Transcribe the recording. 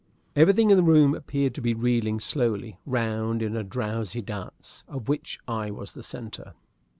Everything in the room appeared to be reeling slowly round in a drowsy dance, of which I was the centre.